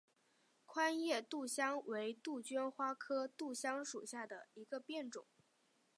宽叶杜香为杜鹃花科杜香属下的一个变种。